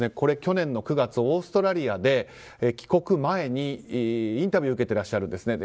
去年の９月、オーストラリアで帰国前にインタビューを受けていらっしゃるんです。